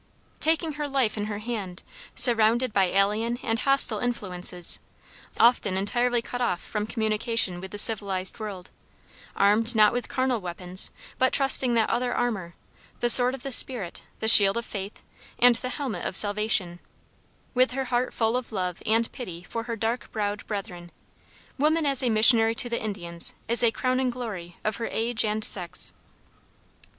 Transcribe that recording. Taking her life in her hand, surrounded by alien and hostile influences, often entirely cut off from communication with the civilized world, armed not with carnal weapons, but trusting that other armor the sword of the Spirit, the shield of faith, and the helmet of salvation with her heart full of love and pity for her dark browed brethren, woman as a missionary to the Indians is a crowning glory of her age and sex.